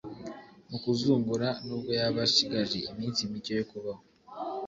mu kuzungura, nubwo yaba ashigaje iminsi micye yo kubaho